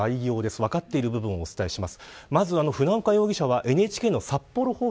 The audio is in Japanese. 分かっている部分をお伝えします。